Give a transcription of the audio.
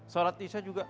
shalat isya juga